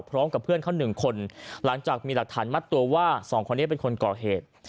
พร้อมกับเพื่อนเขาหนึ่งคนหลังจากมีหลักฐานมัดตัวว่าสองคนนี้เป็นคนก่อเหตุ